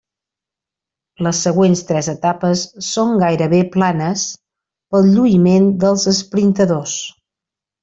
Les següents tres etapes són gairebé planes, pel lluïment dels esprintadors.